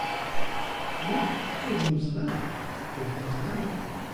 Nekk, ur mmuteɣ ara, ur mmuteɣ ara.